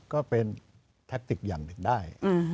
ก็เป็นแท็กติกอย่างหนึ่งได้